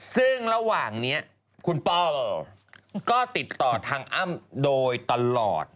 ซึ่งระหว่างนี้คุณป้อมก็ติดต่อทางอ้ำโดยตลอด